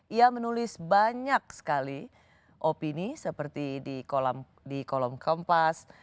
ia menulis banyak sekali opini seperti di kolom kompas